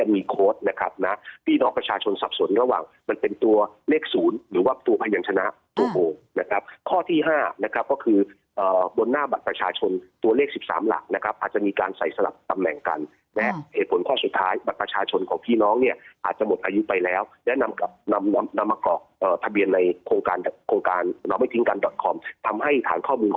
มันเป็นตัวเลขศูนย์หรือว่าตัวพยานชนะนะครับข้อที่ห้านะครับก็คือเอ่อบนหน้าบัตรประชาชนตัวเลขสิบสามหลักนะครับอาจจะมีการใส่สลับตำแหล่งกันและเหตุผลข้อสุดท้ายบัตรประชาชนของพี่น้องเนี่ยอาจจะหมดอายุไปแล้วและนำกับนำนำมากอกเอ่อทะเบียนในโครงการโครงการนำไม่ทิ้งกัน